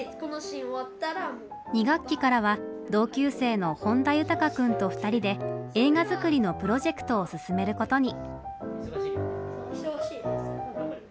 ２学期からは同級生の本田悠鷹くんと２人で映画作りのプロジェクトを進めることに。